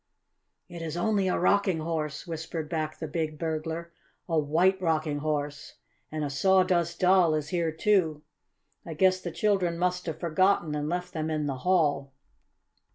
"It is only a Rocking Horse," whispered back the big burglar. "A White Rocking Horse! And a Sawdust Doll is here, too. I guess the children must have forgotten and left them in the hall.